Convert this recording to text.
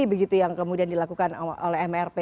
begitu yang kemudian dilakukan oleh mrp